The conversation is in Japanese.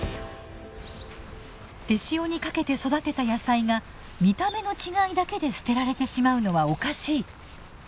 手塩にかけて育てた野菜が見た目の違いだけで捨てられてしまうのはおかしい。